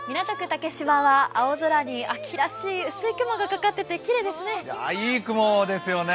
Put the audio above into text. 竹芝は青空に秋らしい薄い雲がかかっていてきれいですね。